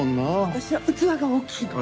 私は器が大きいの。